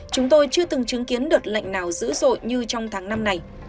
chúng tôi chưa từng chứng kiến đợt lệnh nào dữ dội như trong tháng năm này